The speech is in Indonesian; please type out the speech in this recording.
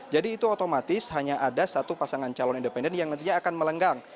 jadi itu otomatis hanya ada satu pasangan calon independen yang nantinya akan melenggang